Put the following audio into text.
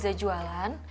saya bisa jualan